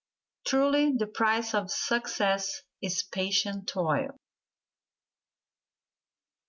Truly, the price of success is patient toil.